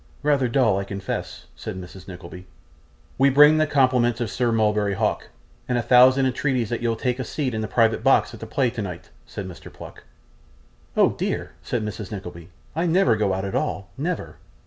'Rather dull, I confess,' said Mrs. Nickleby. 'We bring the compliments of Sir Mulberry Hawk, and a thousand entreaties that you'll take a seat in a private box at the play tonight,' said Mr. Pluck. 'Oh dear!' said Mrs. Nickleby, 'I never go out at all, never.